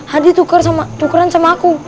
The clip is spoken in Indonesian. hadih tukeran sama aku